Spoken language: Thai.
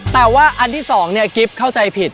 แต่ว่าอันที่สองเนี่ยกิ๊บเข้าใจผิด